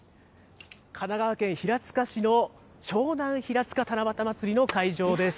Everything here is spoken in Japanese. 神奈川県平塚市の湘南ひらつか七夕まつりの会場です。